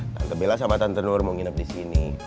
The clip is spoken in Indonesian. tante bella sama tante nur mau nginep disini